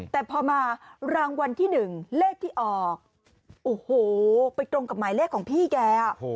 แต่พอมารางวัลที่๑เลขที่ออกโอ้โหไปตรงกับหมายเลขของพี่แก